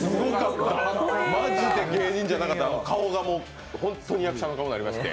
マジで芸人じゃなかった、顔が本当に役者の顔になりまして。